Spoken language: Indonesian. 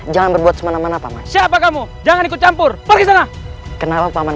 jangan berbuat semena mana paman siapa kamu jangan ikut campur pergi sana kenal paman